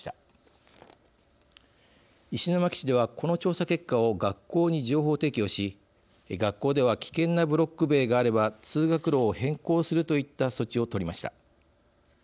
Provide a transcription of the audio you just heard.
石巻市ではこの調査結果を学校に情報提供し学校では危険なブロック塀があれば通学路を変更するといった措置を取りました。